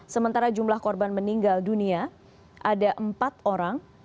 sementara jumlah korban meninggal dunia ada empat orang